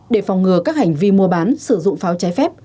để phòng ngừa các hành vi mua bán sử dụng pháo trái phép